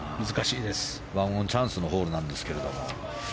１オンチャンスのホールなんですけども。